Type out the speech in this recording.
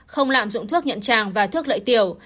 không lạm dụng thuốc nhận tràng và thuốc lợi tiểu